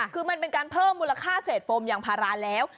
คือมันเป็นการเพิ่มมูลค่าเศษโฟมยางพาราแล้ว